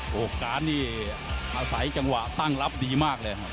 โอกาสนี่อาศัยจังหวะตั้งรับดีมากเลยครับ